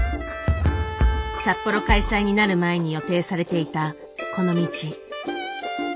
札幌開催になる前に予定されていたこの道。